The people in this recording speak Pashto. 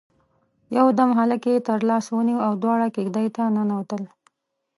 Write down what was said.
يودم يې هلک تر لاس ونيو او دواړه کېږدۍ ته ننوتل.